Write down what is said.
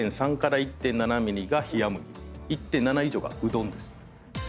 １．７以上がうどんです。